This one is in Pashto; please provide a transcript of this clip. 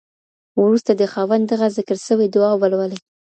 وروسته دي خاوند دغه ذکر سوې دعاء ولولې.